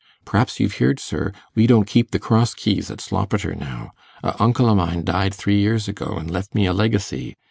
P'raps you've heared, sir, we don't keep the Cross Keys at Sloppeter now; a uncle o' mine died three 'ear ago, an' left me a leggicy.